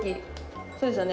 そうですよね